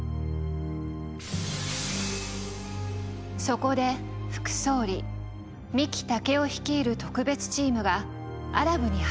そこで副総理三木武夫率いる特別チームがアラブに派遣されます。